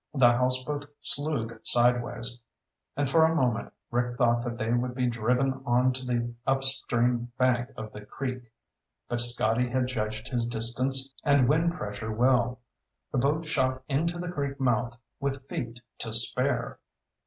The houseboat slewed sideways, and for a moment Rick thought they would be driven on to the upstream bank of the creek. But Scotty had judged his distance and wind pressure well. The boat shot into the creek mouth with feet to spare.